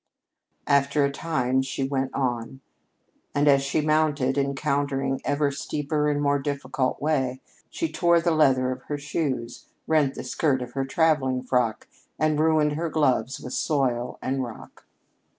After a time she went on, and as she mounted, encountering ever a steeper and more difficult way, she tore the leather of her shoes, rent the skirt of her traveling frock, and ruined her gloves with soil and rock.